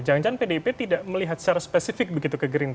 jangan jangan pdip tidak melihat secara spesifik begitu kegering